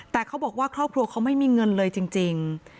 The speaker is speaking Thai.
แต่เขาบอกว่าครอบครัวเขาไม่มีเงินเลยจริง